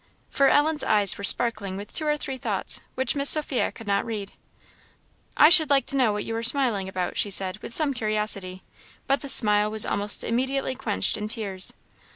For Ellen's eyes were sparkling with two or three thoughts, which Miss Sophia could not read. "I should like to know what you are smiling at," she said, with some curiosity; but the smile was almost immediately quenched in tears.